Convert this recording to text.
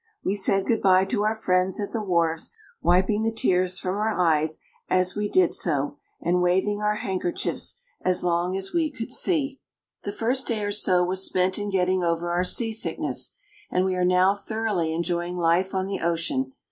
We said good by to our friends s wharves, wiping the tears from our eyes as we did }, and waving our handkerchiefs as long as we could se.a. lO AFRICA The first day or so was spent in getting over our seasick ness, and we are now thoroughly enjoying life on the ocean.